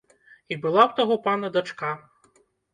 І была ў таго пана дачка.